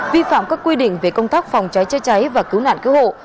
vi phạm các quy định về công tác phòng cháy chế cháy và cứu nạn cứu hộ